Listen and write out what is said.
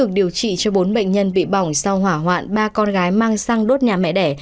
điều trị cho bốn bệnh nhân bị bỏng sau hỏa hoạn ba con gái mang sang đốt nhà mẹ đẻ